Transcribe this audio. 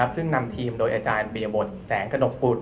ซึ่งนำทีมโดยอาจารย์บริบทแสงกระดกบุตร